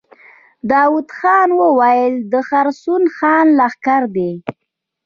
داوود خان وويل: د خسرو خان لښکر دی.